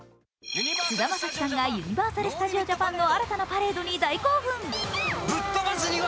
菅田将暉さんがユニバーサル・スタジオ・ジャパンの新たなパレードに大興奮。